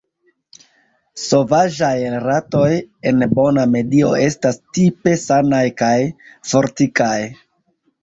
Sovaĝaj ratoj en bona medio estas tipe sanaj kaj fortikaj.